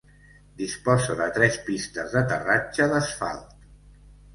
Disposa de tres pistes d'aterratge d'asfalt.